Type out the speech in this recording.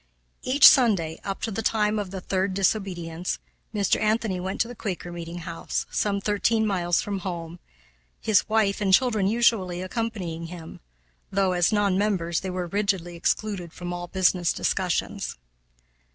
Each Sunday, up to the time of the third disobedience, Mr. Anthony went to the Quaker meeting house, some thirteen miles from home, his wife and children usually accompanying him, though, as non members, they were rigidly excluded from all business discussions.